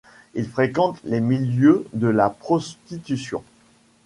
Il fréquente les milieux de la prostitution.